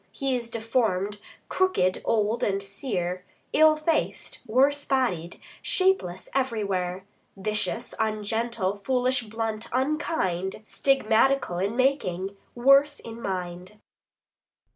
He is deformed, crooked, old, and sere, Ill faced, worse bodied, shapeless everywhere; 20 Vicious, ungentle, foolish, blunt, unkind; Stigmatical in making, worse in mind.